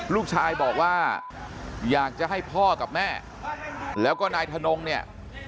ลูกชายบอกว่าอยากจะให้พ่อกับแม่แล้วก็นายทนงเนี่ย